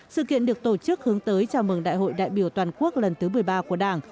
sự kiện được tổ chức hướng tới chào mừng đại hội đại biểu toàn quốc lần thứ một mươi ba của đảng